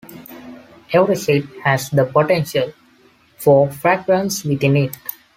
Every seed has the potential for fragrance within it.